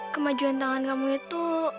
kemajuan tangan kamu itu